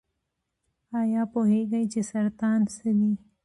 ایا پوهیږئ چې سرطان څه دی؟